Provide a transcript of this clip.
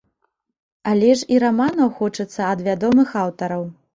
Але ж і раманаў хочацца ад вядомых аўтараў.